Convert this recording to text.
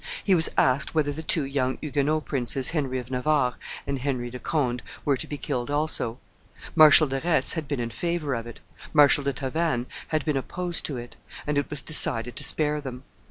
He was asked whether the two young Huguenot princes, Henry of Navarre and Henry de Conde, were to be killed also; Marshal de Retz had been in favor of it; Marshal de Tavannes had been opposed to it; and it was decided to spare them.